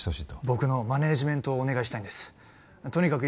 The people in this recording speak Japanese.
僕のマネージメントをお願いしたいんですとにかく